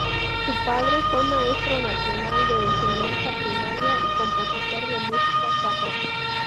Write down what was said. Su padre fue maestro nacional de enseñanza primaria y compositor de música sacra.